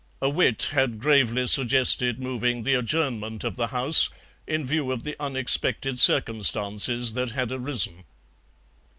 A wit had gravely suggested moving the adjournment of the House in view of the unexpected circumstances that had arisen.